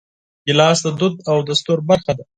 ګیلاس د دود او دستور برخه ده.